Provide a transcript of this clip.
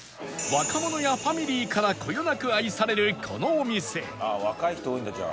若者やファミリーからこよなく愛されるこのお店